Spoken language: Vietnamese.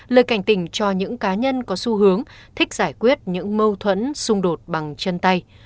lời cảnh tỉnh cho những cá nhân có xu hướng thích giải quyết những mâu thuẫn xung đột bằng chân tay